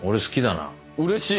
うれしい！